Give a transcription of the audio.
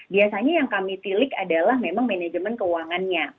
biasanya yang kami tilik adalah memang manajemen keuangannya